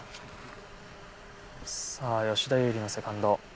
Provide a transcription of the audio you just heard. さあ吉田優利のセカンド。